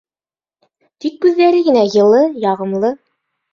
Тик күҙҙәре генә йылы, яғымлы.